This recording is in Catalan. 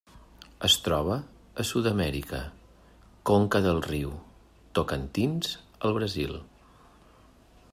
Es troba a Sud-amèrica: conca del riu Tocantins al Brasil.